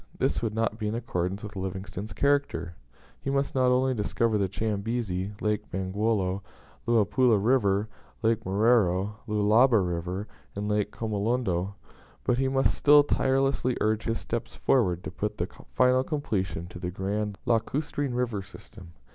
This would not be in accordance with Livingstone's character. He must not only discover the Chambezi, Lake Bangweolo, Luapula River, Lake Moero, Lualaba River, and Lake Kamolondo, but he must still tirelessly urge his steps forward to put the final completion to the grand lacustrine river system.